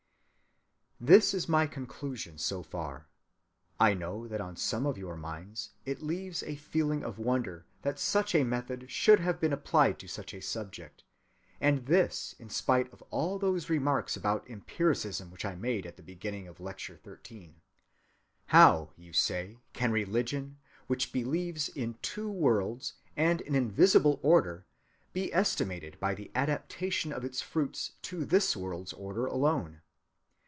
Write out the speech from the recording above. ‐‐‐‐‐‐‐‐‐‐‐‐‐‐‐‐‐‐‐‐‐‐‐‐‐‐‐‐‐‐‐‐‐‐‐‐‐ This is my conclusion so far. I know that on some of your minds it leaves a feeling of wonder that such a method should have been applied to such a subject, and this in spite of all those remarks about empiricism which I made at the beginning of Lecture XIII.(223) How, you say, can religion, which believes in two worlds and an invisible order, be estimated by the adaptation of its fruits to this world's order alone?